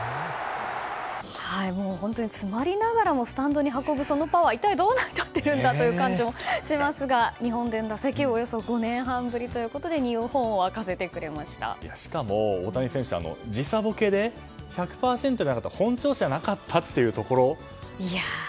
もう本当に詰まりながらもスタンドに運ぶそのパワー、一体どうなっちゃってるんだという感じもしますが日本での打席はおよそ５年ぶりということでしかも大谷選手、時差ボケで１００％ではなく本調子じゃなかったというところ。